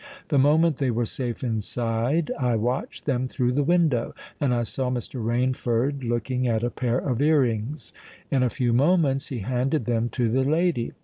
The moment they were safe inside, I watched them through the window; and I saw Mr. Rainford looking at a pair of ear rings. In a few moments he handed them to the lady.